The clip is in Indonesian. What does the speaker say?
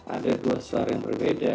ada dua suara yang berbeda